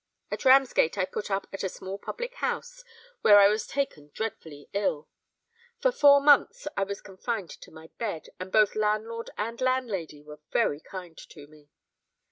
At Ramsgate I put up at a small public house where I was taken dreadfully ill. For four months I was confined to my bed; and both landlord and landlady were very kind to me.